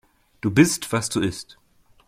Du bist, was du isst.